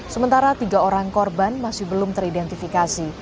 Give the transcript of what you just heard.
sementara tiga orang korban masih belum teridentifikasi